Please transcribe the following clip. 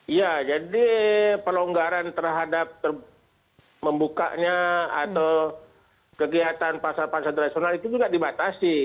iya jadi pelonggaran terhadap terbukanya atau kegiatan pasar pasar tradisional itu juga dibatasi